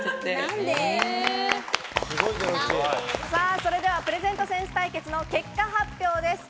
それではプレゼントセンス対決の結果発表です。